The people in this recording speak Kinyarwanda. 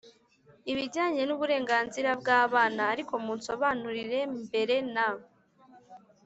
ibijyanye n'uburenganzira bw'abana. ariko munsobanurire mbere na